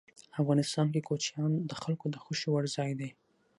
افغانستان کې کوچیان د خلکو د خوښې وړ ځای دی.